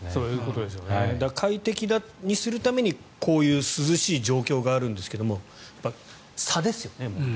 快適にするためにこういう涼しい状況があるんですけど問題は差ですよね。